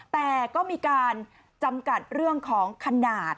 แต่ก็มีการจำกัดเรื่องของขนาด